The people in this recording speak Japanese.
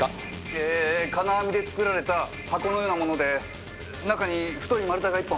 え金網で作られた箱のようなもので中に太い丸太が１本！